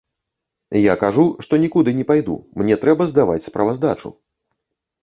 Я кажу, што нікуды не пайду, мне трэба здаваць справаздачу.